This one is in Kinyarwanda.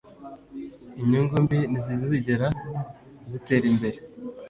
inyungu-mbi ntizigera zitera imbere